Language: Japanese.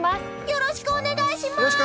よろしくお願いします！